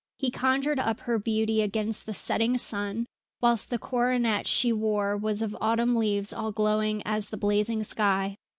He conjured up her beauty against the setting sun, whilst the coronet she wore was of autumn leaves all glowing as the blazing sky.